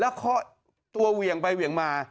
แล้วเคาะตัวเหวี่ยงไปเหวี่ยงมา